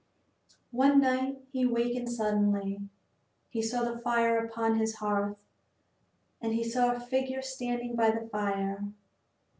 One night he wakened suddenly. He saw the fire upon his hearth and he saw a figure standing by the fire.